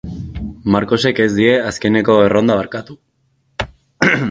Marcosek ez die azkeneko erronda barkatu.